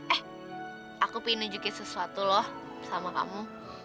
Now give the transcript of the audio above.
eh aku ingin nunjukin sesuatu loh sama kamu